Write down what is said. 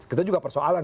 itu juga persoalan